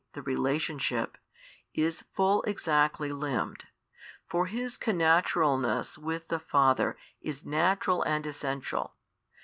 the relationship] is full exactly limned, for His Connaturalness with the Father is Natural and Essential.